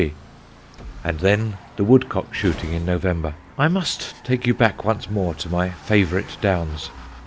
[Sidenote: A SUSSEX BAG] "And then the woodcock shooting in November I must take you back once more to my favourite Downs.